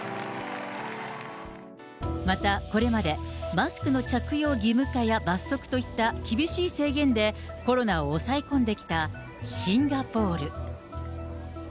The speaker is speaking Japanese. また、これまで、マスクの着用義務化や罰則といった厳しい制限で、コロナを抑え込んできたシンガポール。